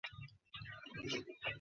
হ্যাঁ, ছিলো তো!